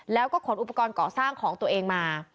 แล้วก็ขนอุปกรณ์ก่อสร้างของตัวเองมา